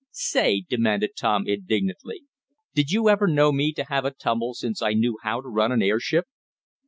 "Say," demanded Tom indignantly. "Did you ever know me to have a tumble since I knew how to run an airship?"